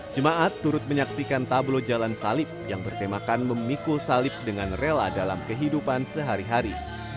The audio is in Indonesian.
jemaat turut menyaksikan tablo jalan salib yang bertemakan memikul salib dengan rela dalam kehidupan sehari hari